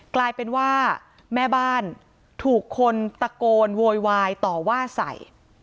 กลายเป็นว่าแม่บ้านถูกคนตะโกนโวยวายต่อว่าใส่